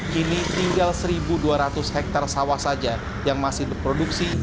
kini tinggal satu dua ratus hektare sawah saja yang masih berproduksi